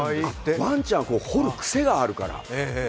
ワンちゃん、掘る癖があるから。